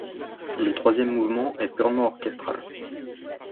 Le troisième mouvement est purement orchestral.